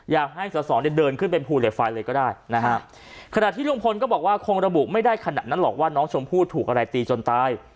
อยากให้สอสอเนี่ยเดินขึ้นเป็นภูเหล็กไฟเลยก็ได้นะฮะขณะที่ลุงพลก็บอกว่าคงระบุไม่ได้ขนาดนั้นหรอกว่าน้องชมพู่ถูกอะไรตีจนตาย